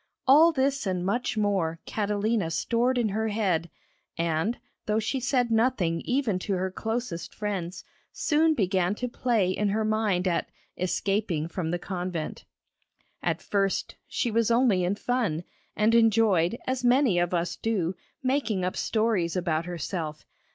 All this and much more, Catalina stored in her head, and, though she said nothing even to her closest friends, soon began to play in her mind at 'escaping from the convent.' At first she was only in fun, and enjoyed, as many of us do, making up stories about herself.